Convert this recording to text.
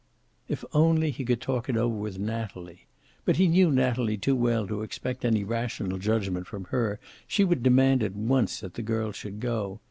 If only he could talk it over with Natalie! But he knew Natalie too well to expect any rational judgment from her. She would demand at once that the girl should go.